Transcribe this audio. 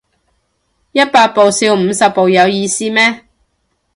一百步笑五十步有意思咩